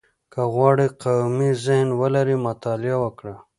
• که غواړې قوي ذهن ولرې، مطالعه وکړه.